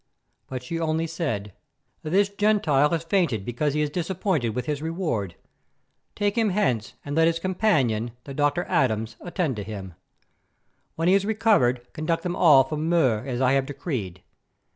But she only said: "This Gentile has fainted because he is disappointed with his reward. Take him hence and let his companion, the Doctor Adams, attend to him. When he is recovered, conduct them all from Mur as I have decreed.